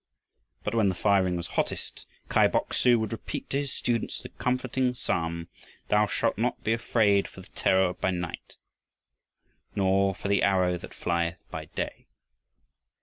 But when the firing was hottest, Kai Bok su would repeat to his students the comforting Psalm: "Thou shalt not be afraid for the terror by night; nor for the arrow that flieth by day."